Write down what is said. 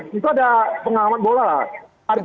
tentu ada pengalaman bola lah